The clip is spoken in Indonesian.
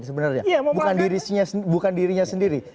sebenarnya bukan dirinya sendiri